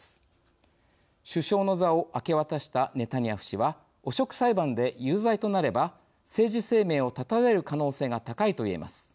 首相の座を明け渡したネタニヤフ氏は汚職裁判で有罪となれば政治生命を絶たれる可能性が高いと言えます。